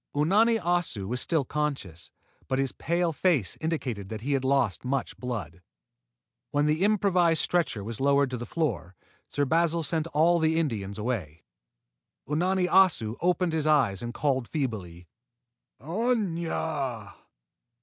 Unani Assu was still conscious, but his pale face indicated that he had lost much blood. When the improvised stretcher was lowered to the floor, Sir Basil sent all the Indians away. Unani Assu opened his eyes and called feebly, "Aña!"